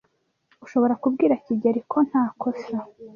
Ushobora kubwira kigeli ko ntakosa?